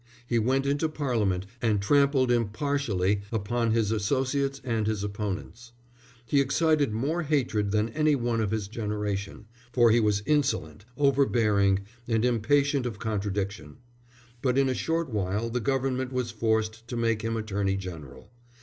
He went into Parliament and trampled impartially upon his associates and his opponents. He excited more hatred than any one of his generation, for he was insolent, overbearing, and impatient of contradiction; but in a short while the Government was forced to make him Attorney General.